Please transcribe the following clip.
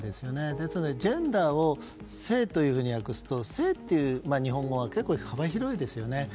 ですのでジェンダーを性と訳すと性という日本語は結構、幅広いですよね。